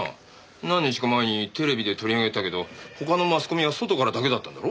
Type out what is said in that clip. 何日か前にテレビで取り上げてたけど他のマスコミは外からだけだったんだろ？